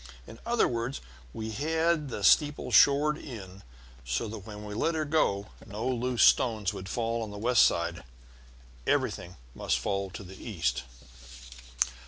In other words, we had the steeple shored in so that when we let her go no loose stones could fall on the west side; everything must fall to the east.